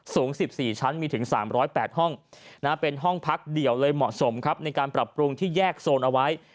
สูง๑๔ชั้นมีถึง๓๐๘ห้องเป็นห้องพักเดี่ยวเลยเหมาะสมครับในการปรับปรุงที่แยกโซนเอาไว้